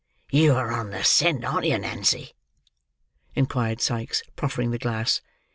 "You are on the scent, are you, Nancy?" inquired Sikes, proffering the glass.